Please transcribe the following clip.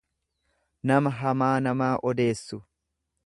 nama hamaa namaa odeessu.